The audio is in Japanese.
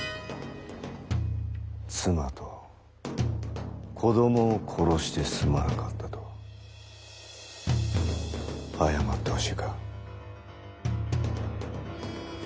妻と子供を殺してすまなかったと謝ってほしいか？